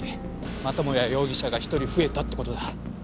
またもや容疑者が１人増えたって事だ。